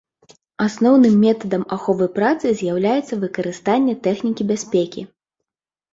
Асноўным метадам аховы працы з'яўляецца выкарыстанне тэхнікі бяспекі.